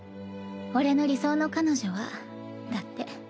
「俺の理想の彼女は」だって。